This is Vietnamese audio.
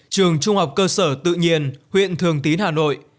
trường trung học cơ sở tự nhiên huyện thường tín hà nội